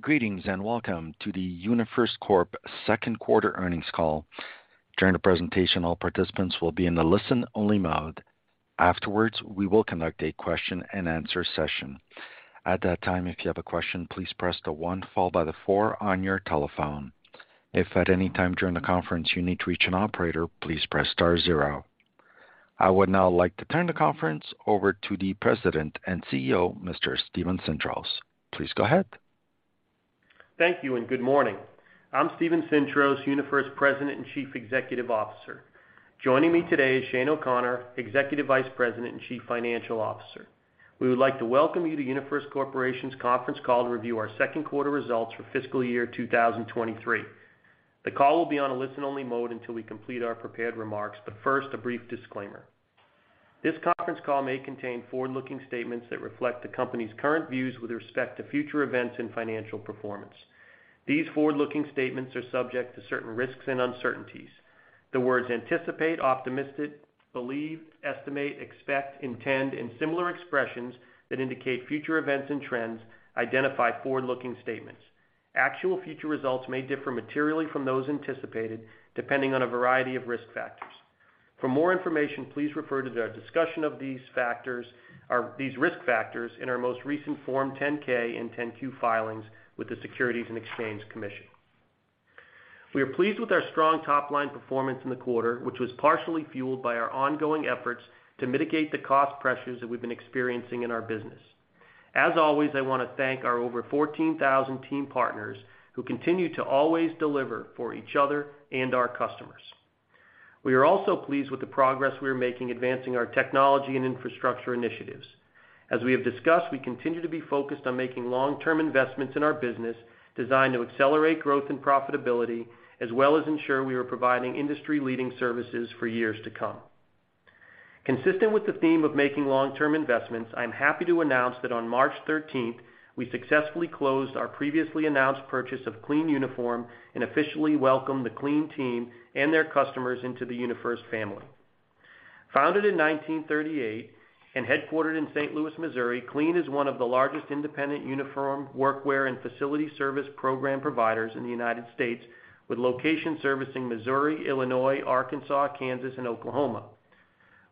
Greetings, and welcome to the UniFirst Corporation second quarter earnings call. During the presentation, all participants will be in the listen-only mode. Afterwards, we will conduct a question-and-answer session. At that time, if you have a question, please press the one followed by the four on your telephone. If at any time during the conference you need to reach an operator, please press star zero. I would now like to turn the conference over to the President and CEO, Mr. Steven Sintros. Please go ahead. Thank you and good morning. I'm Steven Sintros, UniFirst President and Chief Executive Officer. Joining me today is Shane O'Connor, Executive Vice President and Chief Financial Officer. We would like to welcome you to UniFirst Corporation's conference call to review our second quarter results for fiscal year 2023. The call will be on a listen-only mode until we complete our prepared remarks, but first, a brief disclaimer. This conference call may contain forward-looking statements that reflect the company's current views with respect to future events and financial performance. These forward-looking statements are subject to certain risks and uncertainties. The words anticipate, optimistic, believe, estimate, expect, intend, and similar expressions that indicate future events and trends identify forward-looking statements. Actual future results may differ materially from those anticipated, depending on a variety of risk factors. For more information, please refer to our discussion of these factors or these risk factors in our most recent Form 10-K and 10-Q filings with the Securities and Exchange Commission. We are pleased with our strong top-line performance in the quarter, which was partially fueled by our ongoing efforts to mitigate the cost pressures that we've been experiencing in our business. As always, I wanna thank our over 14,000 team partners who continue to always deliver for each other and our customers. We are also pleased with the progress we are making advancing our technology and infrastructure initiatives. As we have discussed, we continue to be focused on making long-term investments in our business designed to accelerate growth and profitability, as well as ensure we are providing industry-leading services for years to come. Consistent with the theme of making long-term investments, I'm happy to announce that on March 13th, we successfully closed our previously announced purchase of Clean Uniform and officially welcome the Clean team and their customers into the UniFirst family. Founded in 1938 and headquartered in St. Louis, Missouri, Clean is one of the largest independent uniform workwear and facility service program providers in the United States, with locations servicing Missouri, Illinois, Arkansas, Kansas, and Oklahoma.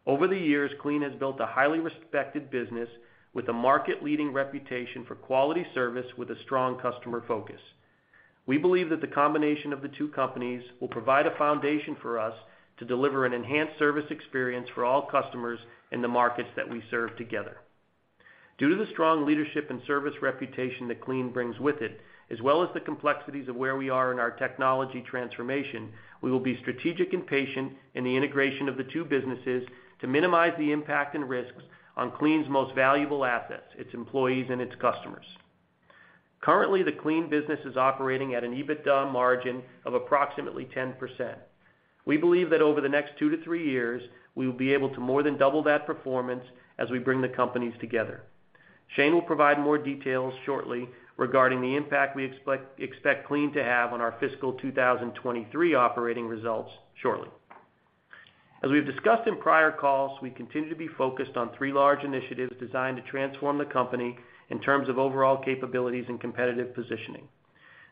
Over the years, Clean has built a highly respected business with a market-leading reputation for quality service with a strong customer focus. We believe that the combination of the two companies will provide a foundation for us to deliver an enhanced service experience for all customers in the markets that we serve together. Due to the strong leadership and service reputation that Clean brings with it, as well as the complexities of where we are in our technology transformation, we will be strategic and patient in the integration of the two businesses to minimize the impact and risks on Clean's most valuable assets, its employees and its customers. Currently, the Clean business is operating at an EBITDA margin of approximately 10%. We believe that over the next two to three years, we will be able to more than double that performance as we bring the companies together. Shane will provide more details shortly regarding the impact we expect Clean to have on our fiscal 2023 operating results shortly. As we've discussed in prior calls, we continue to be focused on three large initiatives designed to transform the company in terms of overall capabilities and competitive positioning.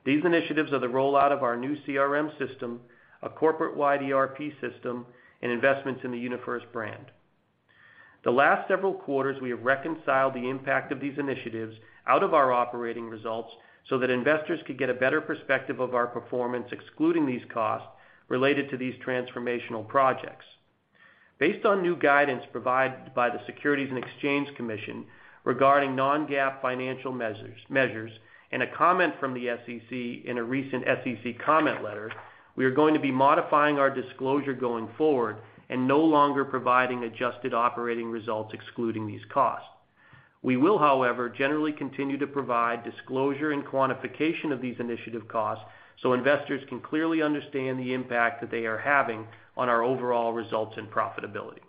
These initiatives are the rollout of our new CRM system, a corporate-wide ERP system, and investments in the UniFirst brand. The last several quarters, we have reconciled the impact of these initiatives out of our operating results so that investors could get a better perspective of our performance excluding these costs related to these transformational projects. Based on new guidance provided by the Securities and Exchange Commission regarding non-GAAP financial measures and a comment from the SEC in a recent SEC comment letter, we are going to be modifying our disclosure going forward and no longer providing adjusted operating results excluding these costs. We will, however, generally continue to provide disclosure and quantification of these initiative costs so investors can clearly understand the impact that they are having on our overall results and profitability.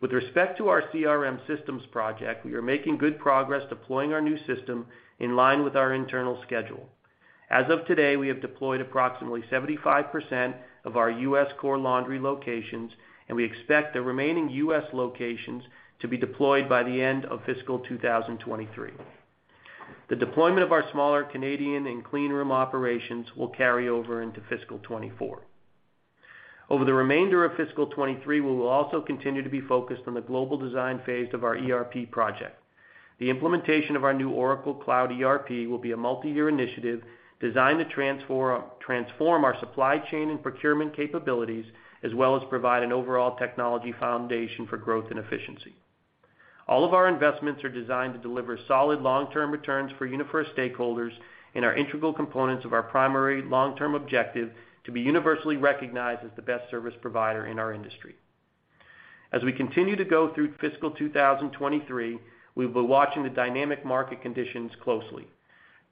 With respect to our CRM systems project, we are making good progress deploying our new system in line with our internal schedule. As of today, we have deployed approximately 75% of our U.S. Core Laundry Operations, We expect the remaining U.S. locations to be deployed by the end of fiscal 2023. The deployment of our smaller Canadian and cleanroom operations will carry over into fiscal 2024. Over the remainder of fiscal 2023, we will also continue to be focused on the global design phase of our ERP project. The implementation of our new Oracle Cloud ERP will be a multi-year initiative designed to transform our supply chain and procurement capabilities, as well as provide an overall technology foundation for growth and efficiency. All of our investments are designed to deliver solid long-term returns for UniFirst stakeholders and are integral components of our primary long-term objective to be universally recognized as the best service provider in our industry. As we continue to go through fiscal 2023, we've been watching the dynamic market conditions closely.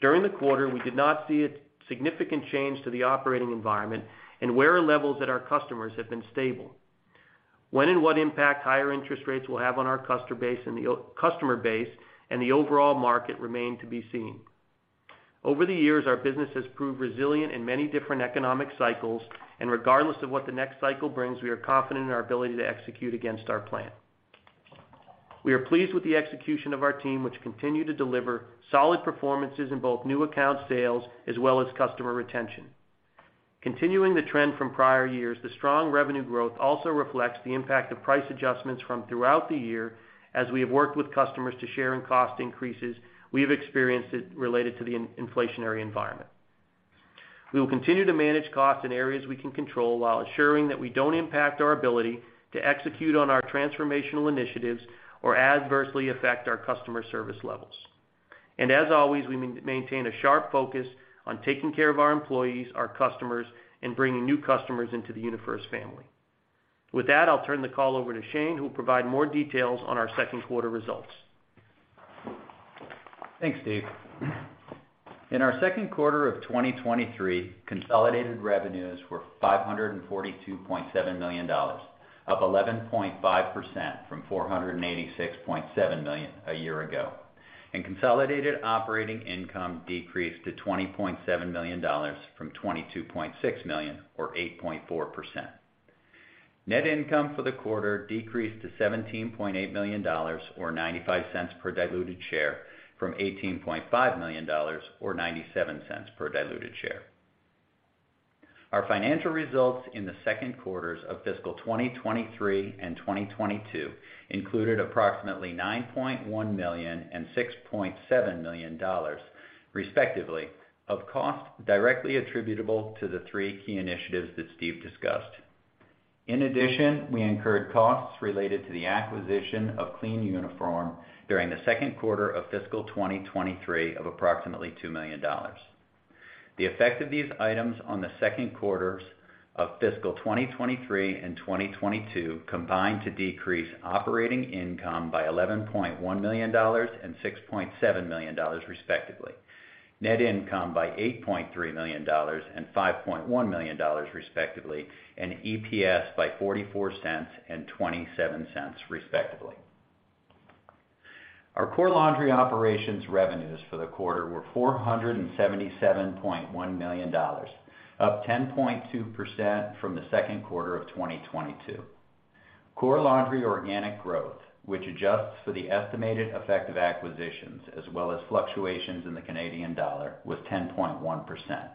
During the quarter, we did not see a significant change to the operating environment, and wear levels at our customers have been stable. When and what impact higher interest rates will have on our customer base and the overall market remain to be seen. Over the years, our business has proved resilient in many different economic cycles, and regardless of what the next cycle brings, we are confident in our ability to execute against our plan. We are pleased with the execution of our team, which continue to deliver solid performances in both new account sales as well as customer retention. Continuing the trend from prior years, the strong revenue growth also reflects the impact of price adjustments from throughout the year as we have worked with customers to share in cost increases we have experienced it related to the inflationary environment. We will continue to manage costs in areas we can control, while ensuring that we don't impact our ability to execute on our transformational initiatives or adversely affect our customer service levels. As always, we maintain a sharp focus on taking care of our employees, our customers, and bringing new customers into the UniFirst family. With that, I'll turn the call over to Shane, who will provide more details on our second quarter results. Thanks, Steve. In our second quarter of 2023, consolidated revenues were $542.7 million, up 11.5% from $486.7 million a year ago. Consolidated operating income decreased to $20.7 million from $22.6 million, or 8.4%. Net income for the quarter decreased to $17.8 million or $0.95 per diluted share from $18.5 million or $0.97 per diluted share. Our financial results in the second quarters of fiscal 2023 and 2022 included approximately $9.1 million and $6.7 million, respectively, of cost directly attributable to the three key initiatives that Steve discussed. We incurred costs related to the acquisition of Clean Uniform during the second quarter of fiscal 2023 of approximately $2 million. The effect of these items on the second quarters of fiscal 2023 and 2022 combined to decrease operating income by $11.1 million and $6.7 million, respectively, net income by $8.3 million and $5.1 million, respectively, and EPS by $0.44 and $0.27, respectively. Our Core Laundry Operations revenues for the quarter were $477.1 million, up 10.2% from the second quarter of 2022. Core Laundry organic growth, which adjusts for the estimated effect of acquisitions as well as fluctuations in the Canadian dollar, was 10.1%.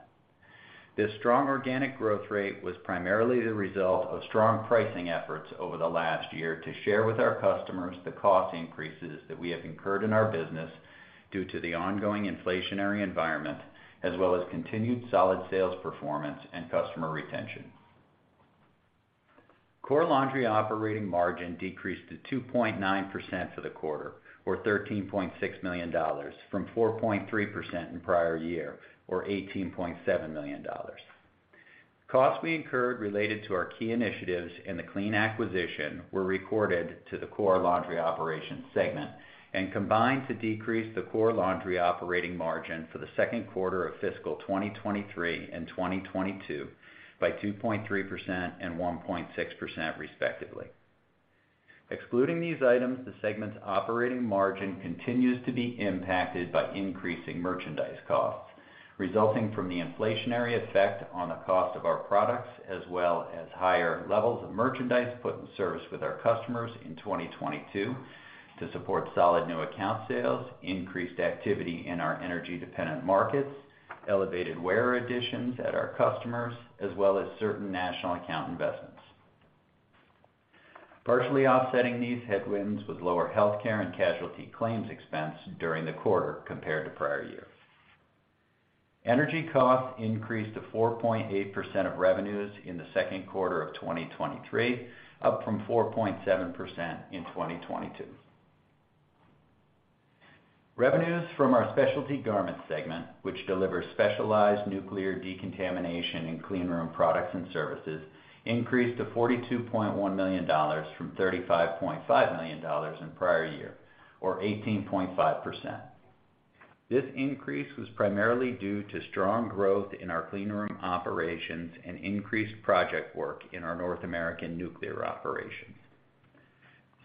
This strong organic growth rate was primarily the result of strong pricing efforts over the last year to share with our customers the cost increases that we have incurred in our business due to the ongoing inflationary environment, as well as continued solid sales performance and customer retention. Core Laundry operating margin decreased to 2.9% for the quarter, or $13.6 million, from 4.3% in prior year, or $18.7 million. Costs we incurred related to our key initiatives in the Clean acquisition were recorded to the Core Laundry Operations segment and combined to decrease the Core Laundry operating margin for the second quarter of fiscal 2023 and 2022 by 2.3% and 1.6%, respectively. Excluding these items, the segment's operating margin continues to be impacted by increasing merchandise costs, resulting from the inflationary effect on the cost of our products as well as higher levels of merchandise put in service with our customers in 2022 to support solid new account sales, increased activity in our energy-dependent markets, elevated wearer additions at our customers, as well as certain national account investments. Partially offsetting these headwinds with lower healthcare and casualty claims expense during the quarter compared to prior year. Energy costs increased to 4.8% of revenues in the second quarter of 2023, up from 4.7% in 2022. Revenues from our Specialty Garment segment, which delivers specialized nuclear decontamination and clean room products and services, increased to $42.1 million from $35.5 million in prior year, or 18.5%. This increase was primarily due to strong growth in our cleanroom operations and increased project work in our North American nuclear operations.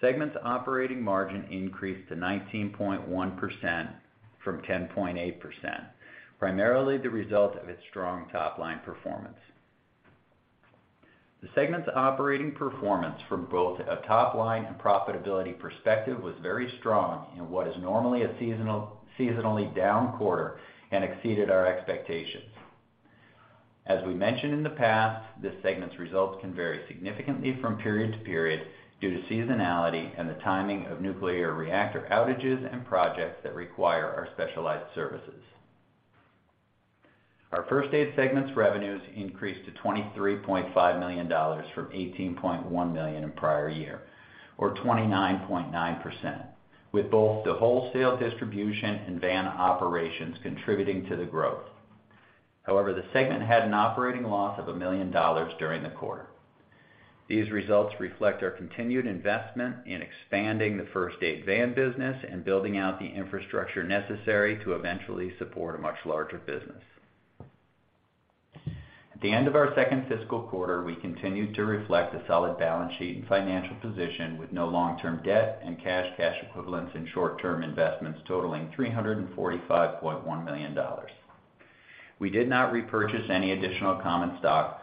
Segment's operating margin increased to 19.1% from 10.8%, primarily the result of its strong top-line performance. The segment's operating performance from both a top-line and profitability perspective was very strong in what is normally a seasonally down quarter and exceeded our expectations. As we mentioned in the past, this segment's results can vary significantly from period to period due to seasonality and the timing of nuclear reactor outages and projects that require our specialized services. Our First Aid segment's revenues increased to $23.5 million from $18.1 million in prior year, or 29.9%, with both the wholesale distribution and van operations contributing to the growth. The segment had an operating loss of $1 million during the quarter. These results reflect our continued investment in expanding the First Aid van business and building out the infrastructure necessary to eventually support a much larger business. At the end of our second fiscal quarter, we continued to reflect a solid balance sheet and financial position with no long-term debt, and cash equivalents, and short-term investments totaling $345.1 million. We did not repurchase any additional common stock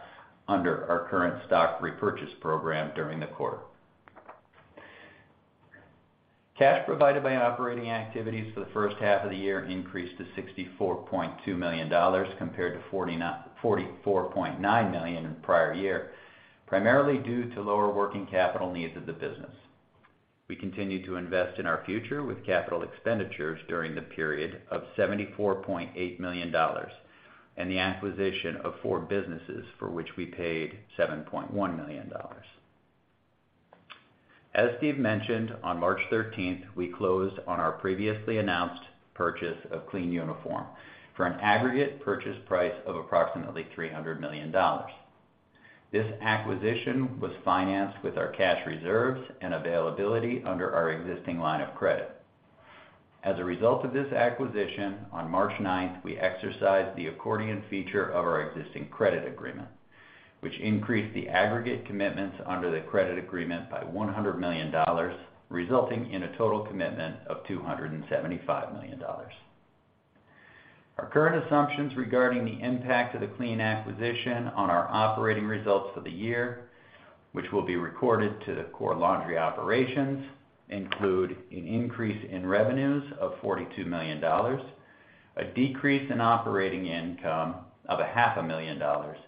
under our current stock repurchase program during the quarter. Cash provided by operating activities for the first half of the year increased to $64.2 million compared to $44.9 million in the prior year, primarily due to lower working capital needs of the business. We continue to invest in our future with capital expenditures during the period of $74.8 million and the acquisition of four businesses for which we paid $7.1 million. As Steve mentioned, on March 13th, we closed on our previously announced purchase of Clean Uniform for an aggregate purchase price of approximately $300 million. This acquisition was financed with our cash reserves and availability under our existing line of credit. As a result of this acquisition, on March 9th, we exercised the accordion feature of our existing credit agreement, which increased the aggregate commitments under the credit agreement by $100 million, resulting in a total commitment of $275 million. Our current assumptions regarding the impact of the Clean acquisition on our operating results for the year, which will be recorded to the Core Laundry Operations, include an increase in revenues of $42 million, a decrease in operating income of a half a million dollars,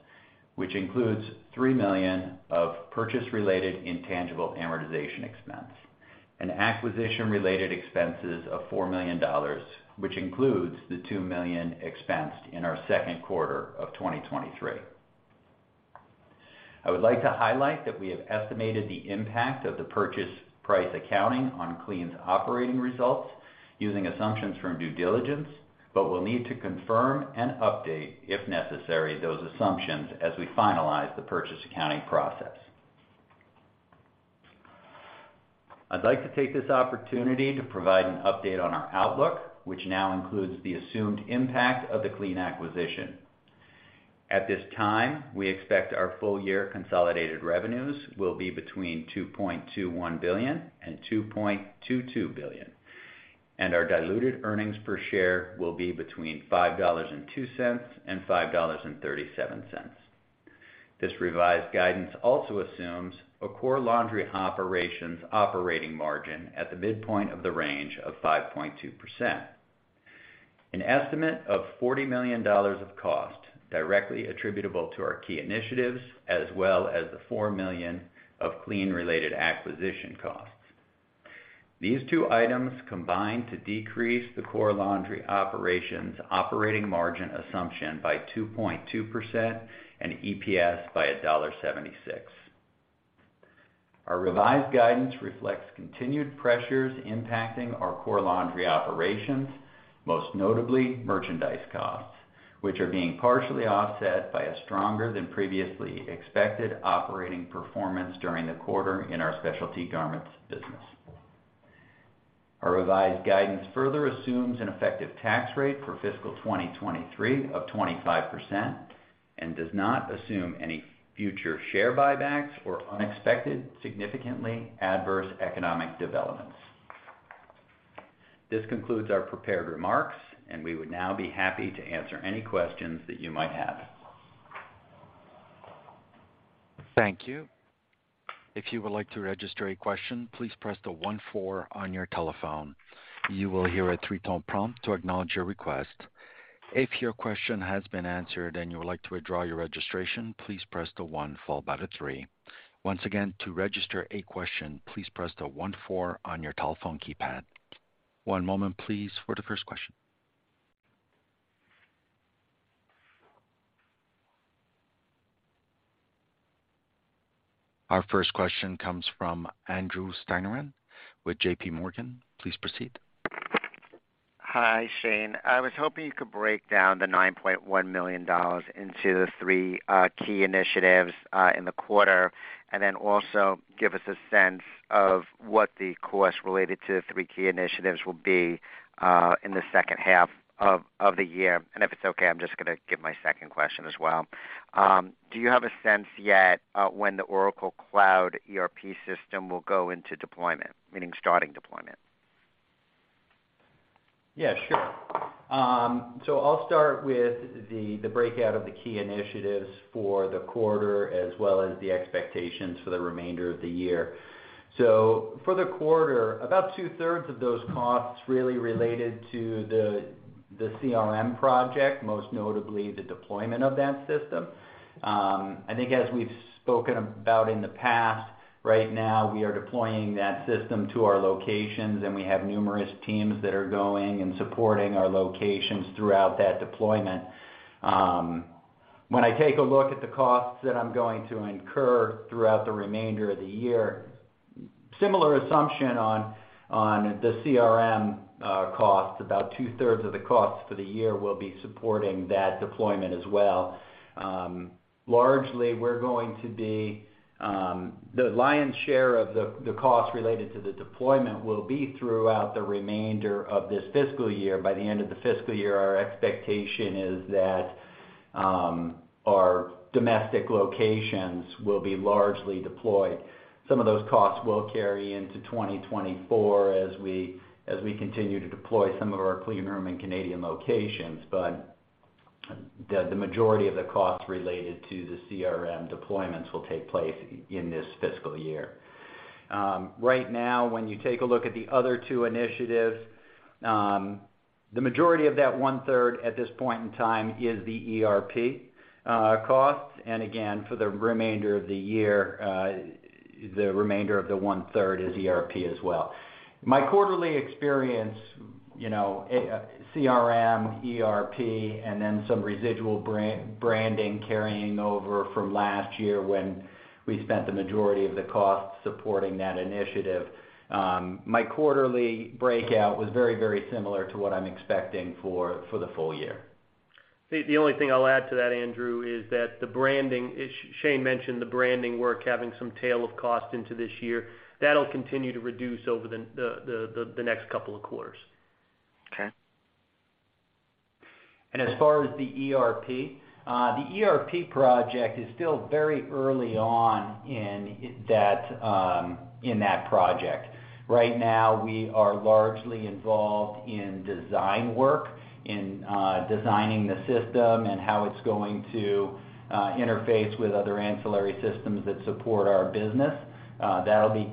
which includes $3 million of purchase-related intangible amortization expense, and acquisition-related expenses of $4 million, which includes the $2 million expensed in our second quarter of 2023. I would like to highlight that we have estimated the impact of the purchase price accounting on Clean's operating results using assumptions from due diligence, but we'll need to confirm and update, if necessary, those assumptions as we finalize the purchase accounting process. I'd like to take this opportunity to provide an update on our outlook, which now includes the assumed impact of the Clean acquisition. At this time, we expect our full year consolidated revenues will be between $2.21 billion and $2.22 billion, and our diluted earnings per share will be between $5.02 and $5.37. This revised guidance also assumes a Core Laundry Operations operating margin at the midpoint of the range of 5.2%. An estimate of $40 million of cost directly attributable to our key initiatives, as well as the $4 million of Clean-related acquisition costs. These two items combine to decrease the Core Laundry Operations operating margin assumption by 2.2% and EPS by $1.76. Our revised guidance reflects continued pressures impacting our Core Laundry Operations, most notably merchandise costs, which are being partially offset by a stronger than previously expected operating performance during the quarter in our Specialty Garments business. Our revised guidance further assumes an effective tax rate for fiscal 2023 of 25% and does not assume any future share buybacks or unexpected, significantly adverse economic developments. This concludes our prepared remarks, and we would now be happy to answer any questions that you might have. Thank you. If you would like to register a question, please press the one four on your telephone. You will hear a three-tone prompt to acknowledge your request. If your question has been answered and you would like to withdraw your registration, please press the one followed by the three. Once again, to register a question, please press the one four on your telephone keypad. One moment please for the first question. Our first question comes from Andrew Steinerman with J.P. Morgan. Please proceed. Hi, Shane. I was hoping you could break down the $9.1 million into the three key initiatives in the quarter, and then also give us a sense of what the cost related to the three key initiatives will be in the second half of the year. If it's okay, I'm just gonna give my second question as well. Do you have a sense yet when the Oracle Cloud ERP system will go into deployment, meaning starting deployment? Yeah, sure. I'll start with the breakout of the key initiatives for the quarter as well as the expectations for the remainder of the year. For the quarter, about two-thirds of those costs really related to the CRM project, most notably the deployment of that system. I think as we've spoken about in the past, right now we are deploying that system to our locations, and we have numerous teams that are going and supporting our locations throughout that deployment. When I take a look at the costs that I'm going to incur throughout the remainder of the year, similar assumption on the CRM cost, about two-thirds of the cost for the year will be supporting that deployment as well. Largely, we're going to be the lion's share of the cost related to the deployment will be throughout the remainder of this fiscal year. By the end of the fiscal year, our expectation is that our domestic locations will be largely deployed. Some of those costs will carry into 2024 as we continue to deploy some of our cleanroom in Canadian locations. The majority of the costs related to the CRM deployments will take place in this fiscal year. Right now, when you take a look at the other two initiatives, the majority of that 1/3 at this point in time is the ERP costs. Again, for the remainder of the year, the remainder of the 1/3 is ERP as well. My quarterly experience, you know, CRM, ERP, and then some residual branding carrying over from last year when we spent the majority of the costs supporting that initiative, my quarterly breakout was very, very similar to what I'm expecting for the full year. The only thing I'll add to that, Andrew, is that the branding is. Shane mentioned the branding work having some tail of cost into this year. That'll continue to reduce over the next couple of quarters. Okay. As far as the ERP, the ERP project is still very early on in that, in that project. Right now, we are largely involved in design work, in designing the system and how it's going to interface with other ancillary systems that support our business. That'll be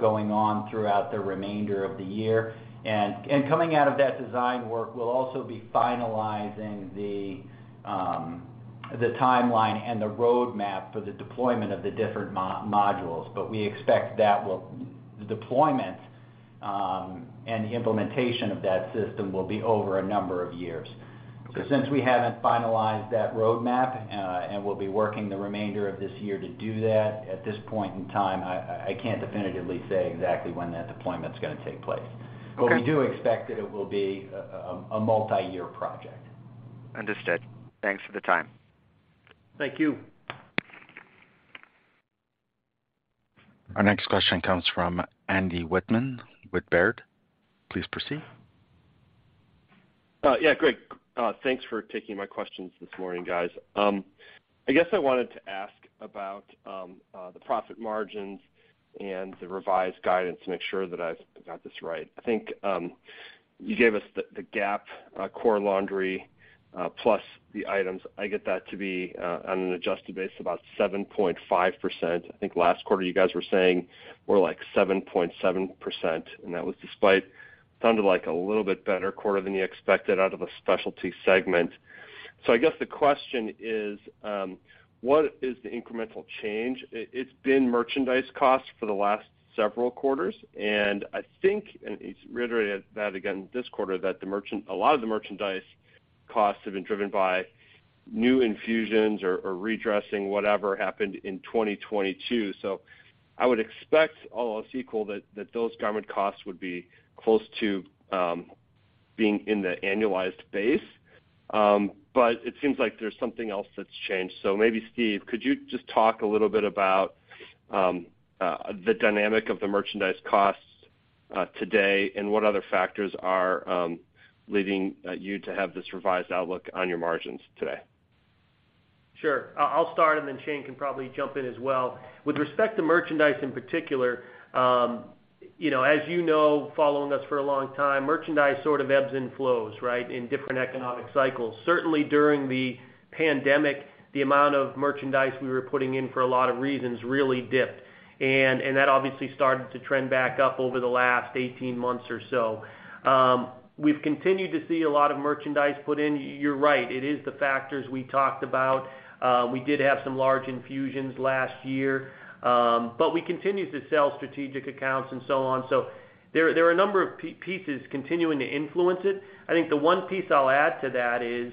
going on throughout the remainder of the year. Coming out of that design work, we'll also be finalizing the timeline and the roadmap for the deployment of the different modules. We expect The deployment and the implementation of that system will be over a number of years. Okay. Since we haven't finalized that roadmap, and we'll be working the remainder of this year to do that, at this point in time, I can't definitively say exactly when that deployment's gonna take place. Okay. We do expect that it will be a multiyear project. Understood. Thanks for the time. Thank you. Our next question comes from Andy Wittmann, with Baird. Please proceed. Yeah, great. Thanks for taking my questions this morning, guys. I guess I wanted to ask about the profit margins and the revised guidance to make sure that I've got this right. I think you gave us the GAAP Core Laundry plus the items. I get that to be on an adjusted base, about 7.5%. I think last quarter you guys were saying more like 7.7%, and that was despite, sounded like a little bit better quarter than you expected out of the specialty segment. I guess the question is, what is the incremental change? It's been merchandise costs for the last several quarters, and I think, and it's reiterated that again this quarter, that a lot of the merchandise costs have been driven by new infusions or redressing, whatever happened in 2022. I would expect all else equal that those garment costs would be close to being in the annualized base. It seems like there's something else that's changed. Maybe Steve, could you just talk a little bit about the dynamic of the merchandise costs today, and what other factors are leading you to have this revised outlook on your margins today? Sure. I'll start, and then Shane can probably jump in as well. With respect to merchandise in particular, you know, as you know, following us for a long time, merchandise sort of ebbs and flows, right, in different economic cycles. Certainly, during the pandemic, the amount of merchandise we were putting in for a lot of reasons really dipped. That obviously started to trend back up over the last 18 months or so. We've continued to see a lot of merchandise put in. You're right, it is the factors we talked about. We did have some large infusions last year, but we continued to sell strategic accounts and so on. There are a number of pieces continuing to influence it. I think the one piece I'll add to that is,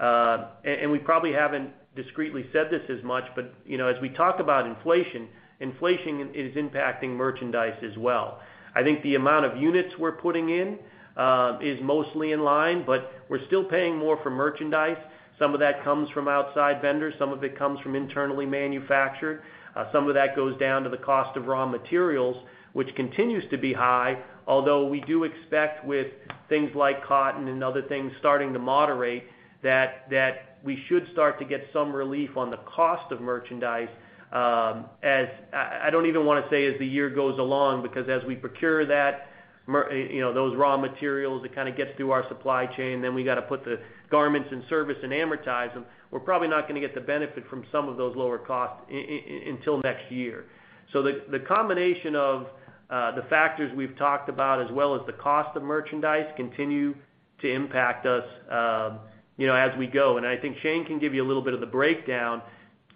and we probably haven't discreetly said this as much, but, you know, as we talk about inflation is impacting merchandise as well. I think the amount of units we're putting in, is mostly in line, but we're still paying more for merchandise. Some of that comes from outside vendors, some of it comes from internally manufactured. Some of that goes down to the cost of raw materials, which continues to be high. Although we do expect with things like cotton and other things starting to moderate, that we should start to get some relief on the cost of merchandise, as... I don't even wanna say as the year goes along, because as we procure that you know, those raw materials, it kind of gets through our supply chain, then we gotta put the garments in service and amortize them. We're probably not gonna get the benefit from some of those lower costs until next year. The combination of the factors we've talked about as well as the cost of merchandise continue to impact us, you know, as we go. I think Shane can give you a little bit of the breakdown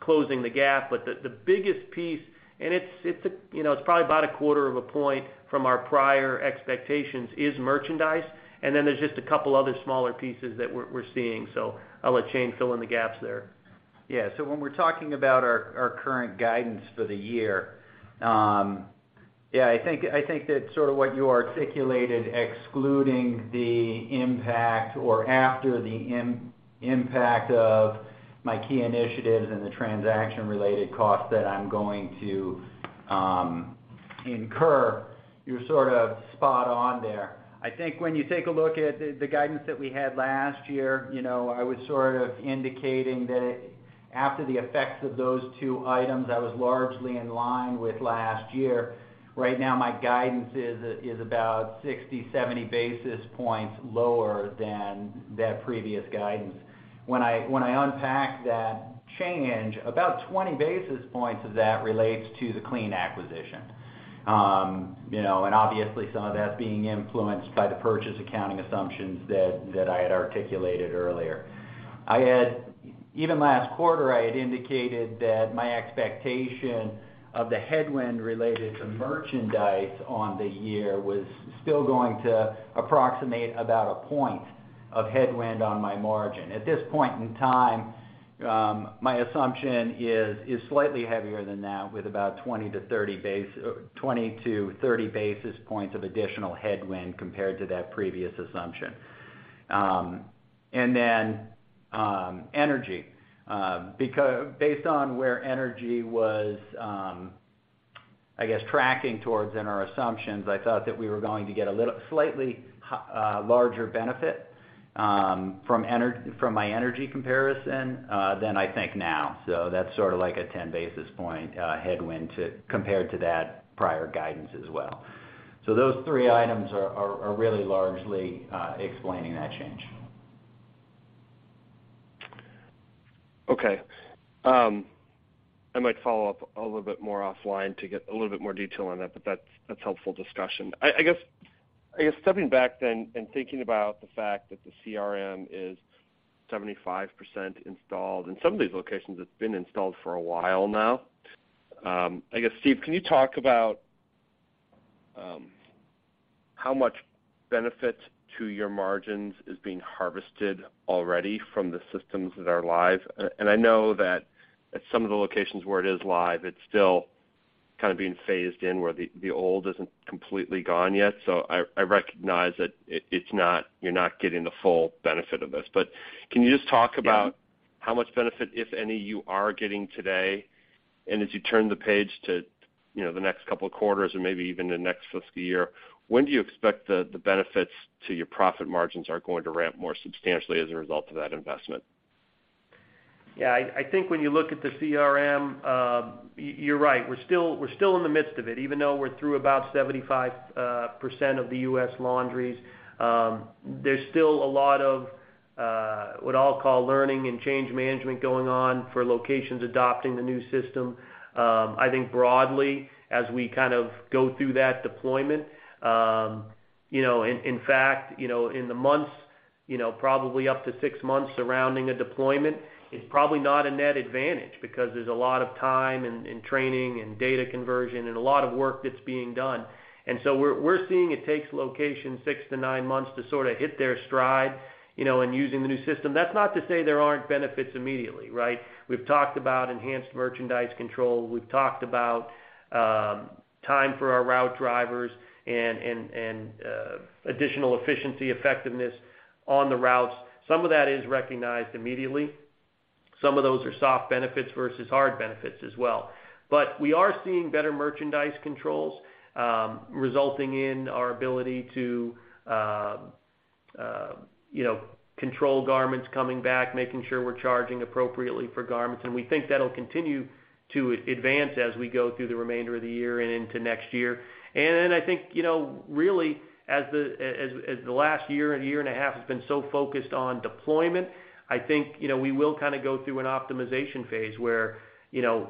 closing the gap. The biggest piece, and it's a, you know, it's probably about a quarter of a point from our prior expectations, is merchandise. Then there's just a couple other smaller pieces that we're seeing. I'll let Shane fill in the gaps there. Yeah. When we're talking about our current guidance for the year, yeah, I think that sort of what you articulated, excluding the impact or after the impact of my key initiatives and the transaction-related costs that I'm going to... incur, you're sort of spot on there. I think when you take a look at the guidance that we had last year, you know, I was sort of indicating that after the effects of those two items, I was largely in line with last year. Right now, my guidance is about 60, 70 basis points lower than that previous guidance. When I unpack that change, about 20 basis points of that relates to the Clean acquisition. You know, and obviously some of that's being influenced by the purchase accounting assumptions that I had articulated earlier. Even last quarter, I had indicated that my expectation of the headwind related to merchandise on the year was still going to approximate about 1 point of headwind on my margin. At this point in time, my assumption is slightly heavier than that, with about 20 to 30 basis points of additional headwind compared to that previous assumption. Energy. Based on where energy was, I guess, tracking towards in our assumptions, I thought that we were going to get slightly larger benefit from my energy comparison than I think now. That's sort of like a 10 basis point headwind compared to that prior guidance as well. Those three items are really largely explaining that change. Okay. I might follow up a little bit more offline to get a little bit more detail on that, but that's helpful discussion. I guess, I guess stepping back then and thinking about the fact that the CRM is 75% installed, in some of these locations it's been installed for a while now. I guess, Steven, can you talk about how much benefit to your margins is being harvested already from the systems that are live? I know that at some of the locations where it is live, it's still kind of being phased in, where the old isn't completely gone yet. I recognize that it's not, you're not getting the full benefit of this. Can you just talk about- Yeah. how much benefit, if any, you are getting today? As you turn the page to, you know, the next couple of quarters or maybe even the next fiscal year, when do you expect the benefits to your profit margins are going to ramp more substantially as a result of that investment? Yeah. I think when you look at the CRM, you're right. We're still in the midst of it. Even though we're through about 75% of the U.S. laundries, there's still a lot of what I'll call learning and change management going on for locations adopting the new system. I think broadly, as we kind of go through that deployment, you know, in fact, you know, in the months, you know, probably up to 6 months surrounding a deployment, it's probably not a net advantage because there's a lot of time and training and data conversion and a lot of work that's being done. We're seeing it takes locations 6-9 months to sort of hit their stride, you know, in using the new system. That's not to say there aren't benefits immediately, right? We've talked about enhanced merchandise control. We've talked about time for our route drivers and additional efficiency effectiveness on the routes. Some of that is recognized immediately. Some of those are soft benefits versus hard benefits as well. We are seeing better merchandise controls, resulting in our ability to, you know, control garments coming back, making sure we're charging appropriately for garments. We think that'll continue to advance as we go through the remainder of the year and into next year. I think, you know, really, as the last year and year and a half has been so focused on deployment, I think, you know, we will kind of go through an optimization phase where, you know,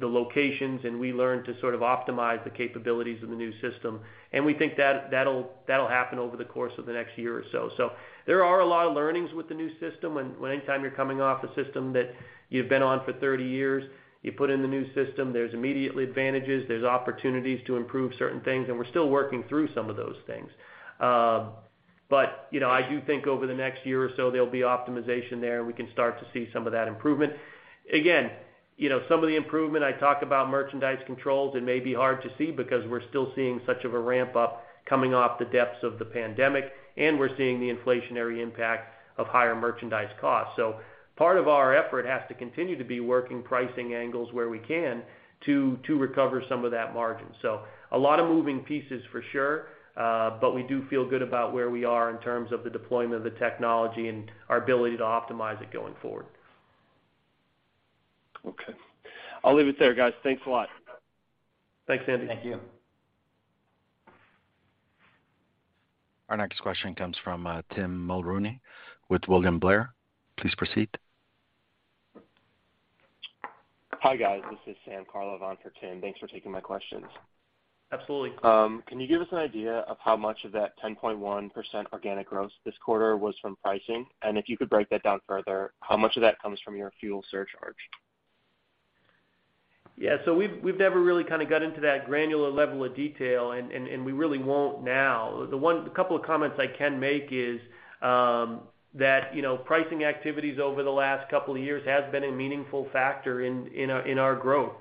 the locations and we learn to sort of optimize the capabilities of the new system. We think that'll happen over the course of the next year or so. There are a lot of learnings with the new system. Anytime you're coming off a system that you've been on for 30 years, you put in the new system, there's immediately advantages, there's opportunities to improve certain things, and we're still working through some of those things. You know, I do think over the next year or so, there'll be optimization there, and we can start to see some of that improvement. Again, you know, some of the improvement, I talk about merchandise controls, it may be hard to see because we're still seeing such of a ramp-up coming off the depths of the pandemic, and we're seeing the inflationary impact of higher merchandise costs. Part of our effort has to continue to be working pricing angles where we can to recover some of that margin. A lot of moving pieces for sure, but we do feel good about where we are in terms of the deployment of the technology and our ability to optimize it going forward. Okay. I'll leave it there, guys. Thanks a lot. Thanks, Andy. Thank you. Our next question comes from, Tim Mulrooney with William Blair. Please proceed. Hi, guys. This is Sam Karlov on for Tim. Thanks for taking my questions. Absolutely. Can you give us an idea of how much of that 10.1% organic growth this quarter was from pricing? If you could break that down further, how much of that comes from your fuel surcharge? Yeah. We've never really kind of got into that granular level of detail, and we really won't now. The couple of comments I can make is that, you know, pricing activities over the last couple of years has been a meaningful factor in our growth.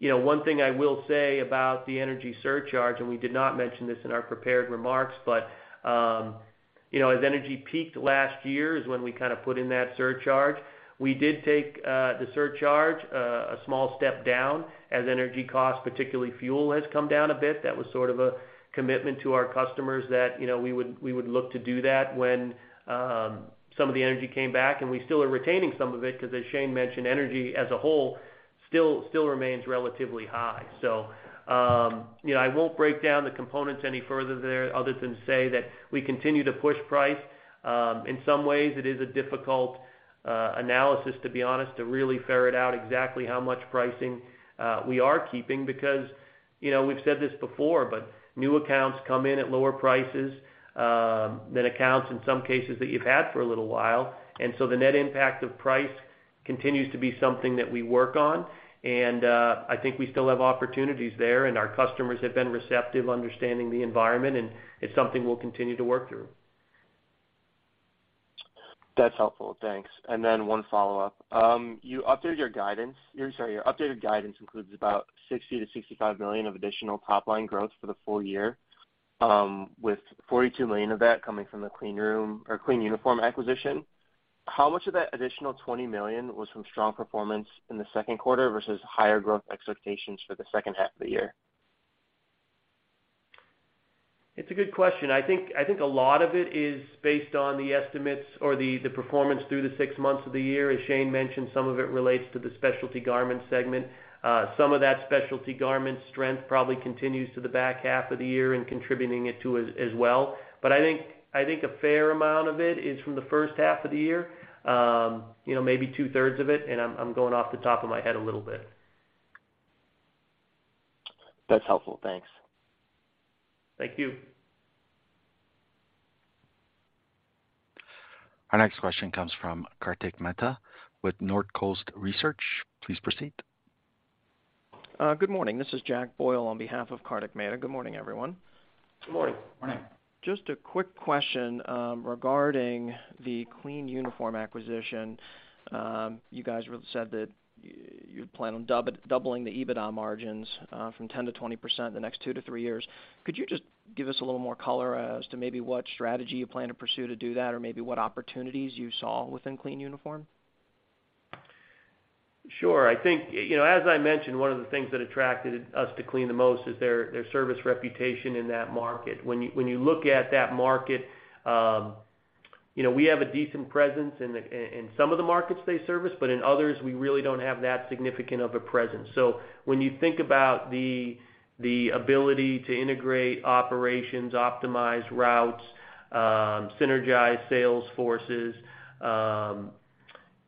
You know, one thing I will say about the energy surcharge, and we did not mention this in our prepared remarks, but, you know, as energy peaked last year is when we kinda put in that surcharge. We did take the surcharge a small step down as energy costs, particularly fuel, has come down a bit. That was sort of a commitment to our customers that, you know, we would, we would look to do that when some of the energy came back, and we still are retaining some of it because as Shane mentioned, energy as a whole still remains relatively high. You know, I won't break down the components any further there other than say that we continue to push price. In some ways, it is a difficult analysis, to be honest, to really ferret out exactly how much pricing we are keeping because, you know, we've said this before, but new accounts come in at lower prices than accounts in some cases that you've had for a little while. The net impact of price continues to be something that we work on, and, I think we still have opportunities there, and our customers have been receptive understanding the environment, and it's something we'll continue to work through. That's helpful, thanks. One follow-up. your updated guidance includes about $60 million-$65 million of additional top-line growth for the full year, with $42 million of that coming from the Clean Uniform acquisition. How much of that additional $20 million was from strong performance in the second quarter versus higher growth expectations for the second half of the year? It's a good question. I think a lot of it is based on the estimates or the performance through the 6 months of the year. As Shane mentioned, some of it relates to the Specialty Garments segment. Some of that Specialty Garments strength probably continues to the back half of the year and contributing it to as well. I think a fair amount of it is from the first half of the year, you know, maybe 2/3 of it, and I'm going off the top of my head a little bit. That's helpful. Thanks. Thank you. Our next question comes from Kartik Mehta with Northcoast Research. Please proceed. Good morning. This is Jack Boyle on behalf of Kartik Mehta. Good morning, everyone. Good morning. Morning. Just a quick question, regarding the Clean Uniform acquisition. You guys really said that you plan on doubling the EBITDA margins, from 10% to 20% the next 2 to 3 years. Could you just give us a little more color as to maybe what strategy you plan to pursue to do that or maybe what opportunities you saw within Clean Uniform? Sure. I think, you know, as I mentioned, one of the things that attracted us to Clean the most is their service reputation in that market. When you, when you look at that market, you know, we have a decent presence in some of the markets they service, but in others, we really don't have that significant of a presence. When you think about the ability to integrate operations, optimize routes, synergize sales forces,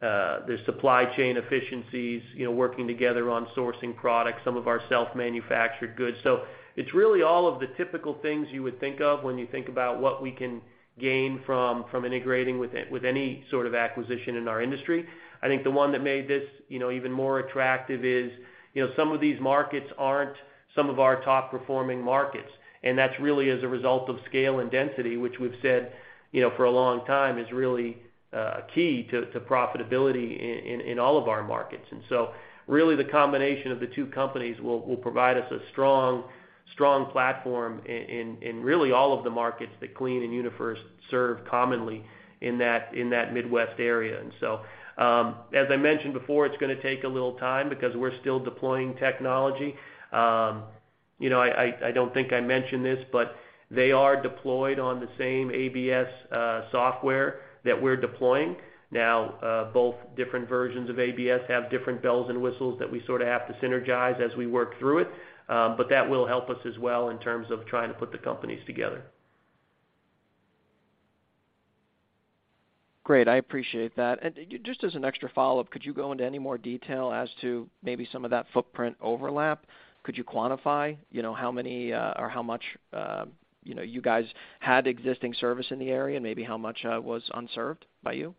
the supply chain efficiencies, you know, working together on sourcing products, some of our self-manufactured goods. It's really all of the typical things you would think of when you think about what we can gain from integrating with any sort of acquisition in our industry. I think the one that made this, you know, even more attractive is, you know, some of these markets aren't some of our top-performing markets, and that's really as a result of scale and density, which we've said, you know, for a long time is really key to profitability in all of our markets. Really the combination of the two companies will provide us a strong platform in really all of the markets that Clean and Uniform serve commonly in that Midwest area. As I mentioned before, it's gonna take a little time because we're still deploying technology. You know, I don't think I mentioned this, but they are deployed on the same ABS software that we're deploying now. Both different versions of ABS have different bells and whistles that we sorta have to synergize as we work through it, but that will help us as well in terms of trying to put the companies together. Great. I appreciate that. Just as an extra follow-up, could you go into any more detail as to maybe some of that footprint overlap? Could you quantify, you know, how many, or how much, you know, you guys had existing service in the area and maybe how much was unserved by you?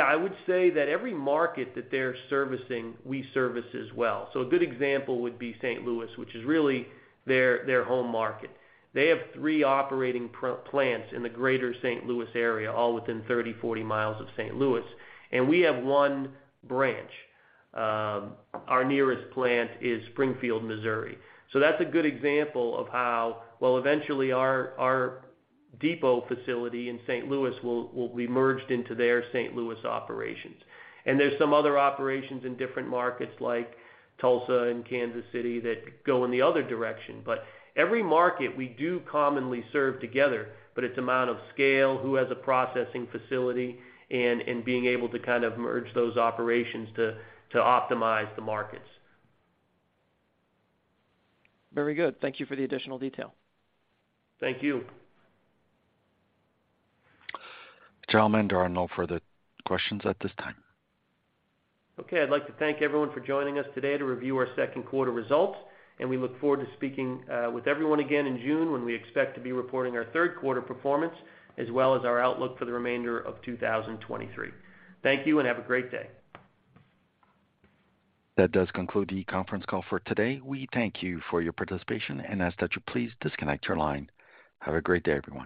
I would say that every market that they're servicing, we service as well. A good example would be St. Louis, which is really their home market. They have 3 operating plants in the Greater St. Louis area, all within 30, 40 miles of St. Louis, and we have 1 branch. Our nearest plant is Springfield, Missouri. That's a good example of how. Well, eventually our depot facility in St. Louis will be merged into their St. Louis operations. There's some other operations in different markets like Tulsa and Kansas City that go in the other direction. Every market we do commonly serve together, but it's amount of scale, who has a processing facility, and being able to kind of merge those operations to optimize the markets. Very good. Thank you for the additional detail. Thank you. Gentlemen, there are no further questions at this time. Okay. I'd like to thank everyone for joining us today to review our second quarter results, and we look forward to speaking with everyone again in June when we expect to be reporting our third quarter performance, as well as our outlook for the remainder of 2023. Thank you and have a great day. That does conclude the conference call for today. We thank you for your participation and ask that you please disconnect your line. Have a great day, everyone.